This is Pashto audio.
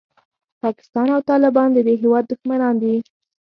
پاکستان او طالبان د دې هېواد دښمنان دي.